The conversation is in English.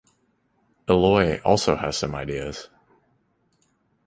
Eloy also has some ideas.